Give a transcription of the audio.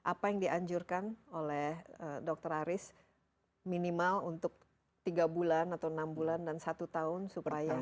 apa yang dianjurkan oleh dr aris minimal untuk tiga bulan atau enam bulan dan satu tahun supaya